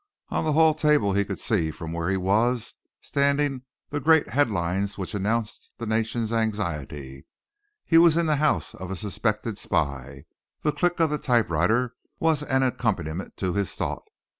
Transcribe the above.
On the hall table he could see from where he was standing the great headlines which announced the nation's anxiety. He was in the house of a suspected spy. The click of the typewriter was an accompaniment to his thought.